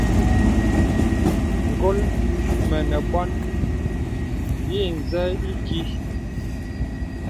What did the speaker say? Ngól mə nə bônə bì nzə īkí.